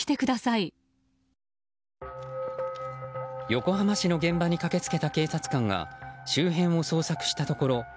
横浜市の現場に駆け付けた警察官が周辺を捜索したところ